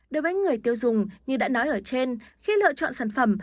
đối với người tiêu dùng như đã nói ở trên khi lựa chọn sản phẩm